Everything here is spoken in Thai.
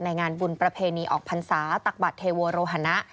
งานบุญประเพณีออกพรรษาตักบัตรเทโวโรหนะ